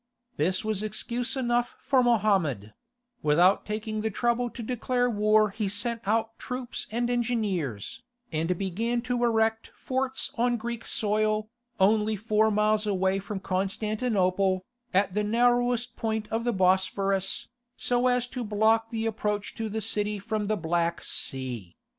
This was excuse enough for Mohammed: without taking the trouble to declare war he sent out troops and engineers, and began to erect forts on Greek soil, only four miles away from Constantinople, at the narrowest point of the Bosphorus, so as to block the approach to the city from the Black Sea.